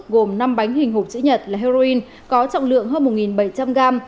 gồm năm bánh hình hộp chữ nhật là heroin có trọng lượng hơn một bảy trăm linh g